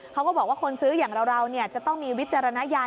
เขาก็บอกว่าคนซื้ออย่างเราจะต้องมีวิจารณญาณ